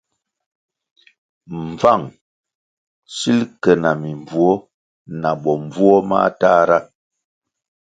Mbvang sil ke na mimbvuo na bombvuo matahra.